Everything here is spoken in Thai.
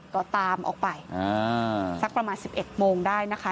ก็ตามออกไปสักประมาณ๑๑โมงได้นะคะ